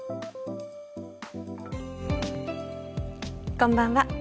こんばんは。